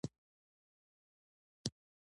ملګري د خوښیو شريک وي.